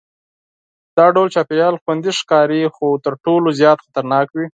دا ډول چاپېریال خوندي ښکاري خو تر ټولو زیات خطرناک وي.